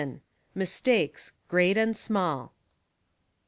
MISTAKES — GREAT AND SMALL.